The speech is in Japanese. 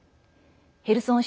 ヘルソン